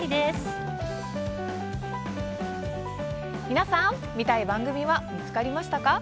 皆さん見たい番組は見つかりましたか？